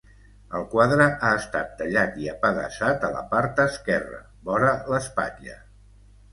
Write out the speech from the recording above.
El quadre ha estat tallat i apedaçat a la part esquerra, vora l'espatlla.